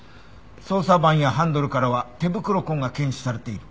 操作盤やハンドルからは手袋痕が検出されている。